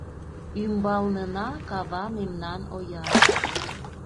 Ӱмбалнына кава мемнан ояр.